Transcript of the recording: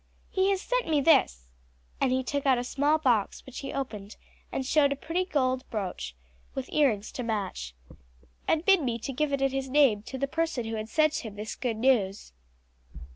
He has sent me this" and he took out a small box which he opened, and showed a pretty gold broach, with earrings to match "and bid me to give it in his name to the person who had sent him this good news."